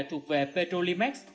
thuộc về petrolimax